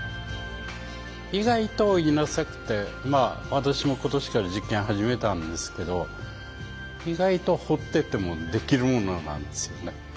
意外と稲作ってまあ私も今年から実験を始めたんですけど意外とほっててもできるものなんですよね。